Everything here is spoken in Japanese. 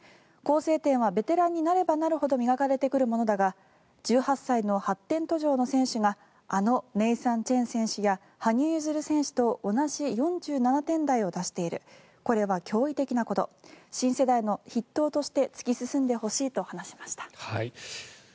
構成点はベテランになればなるほど磨かれてくるものだが１８歳の発展途上の選手があのネイサン・チェン選手や羽生結弦選手と同じ４７点台を出しているこれは驚異的なこと新世代の筆頭として突き進んでほしいと話しました。